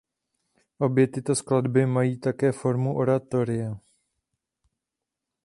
Obě tyto skladby mají také formu oratoria.